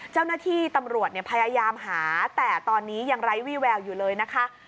เจ้าหน้าที่ตำรวจพยายามหาแต่ตอนนี้ยังไร้วี่แววอยู่เลยนะคะ